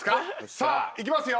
さあいきますよ。